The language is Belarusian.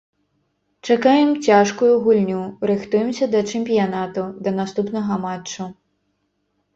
Чакаем цяжкую гульню, рыхтуемся да чэмпіянату, да наступнага матчу.